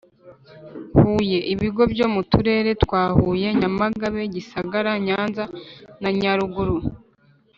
Huye ibigo byo mu turere twa huye nyamagabe gisagara nyanza na nyaruguru